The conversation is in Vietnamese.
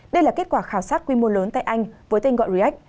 đây là kết quả khảo sát quy mô lớn tại anh với tên gọi reac